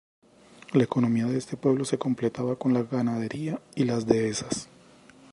La economía de este pueblo se completaba con la ganadería y las dehesas.